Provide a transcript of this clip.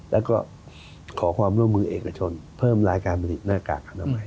แล้วก็ขอความร่วมมือเอกชนเพิ่มรายการผลิตหน้ากากอนามัย